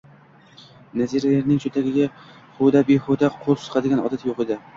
Nazira erining cho`ntagiga huda-behuda qo`l suqadigan odati yo`q edi